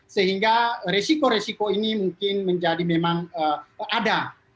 sehingga resiko resiko ini mungkin menjadi memang ada